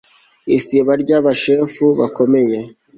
isiba ry abashefu bakomeye